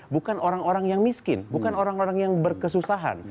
bukan orang orang yang miskin bukan orang orang yang berkesusahan